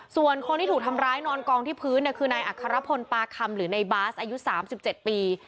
ส่วนคนที่ถูกทำร้ายนอนกองที่พื้นคือนายอัครพลปาคำหรือในบาสอายุ๓๗ปี